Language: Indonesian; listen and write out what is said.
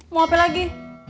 mau hp lagi